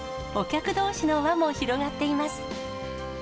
お客どうしの輪も広がっています。